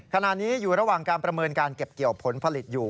ขณะนี้อยู่ระหว่างการประเมินการเก็บเกี่ยวผลผลิตอยู่